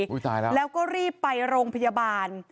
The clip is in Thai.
ตายแล้วแล้วก็รีบไปโรงพยาบาล